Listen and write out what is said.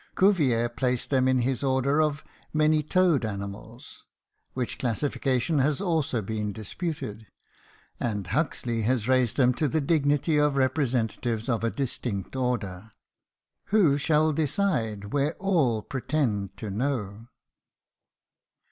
Cuvier placed them in his order of "many toed animals," which classification has also been disputed, and Huxley has raised them to the dignity of representatives of a distinct order. Who shall decide where all pretend to know?